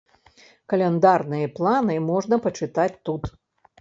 Каляндарныя планы можна пачытаць тут.